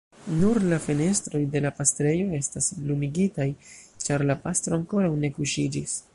Nur la fenestroj de la pastrejo estas lumigitaj, ĉar la pastro ankoraŭ ne kuŝiĝis.